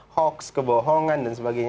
hoax kebohongan dan sebagainya